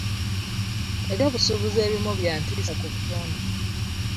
Eby'obusubuzi ebimu bya ntiisa ku butonde.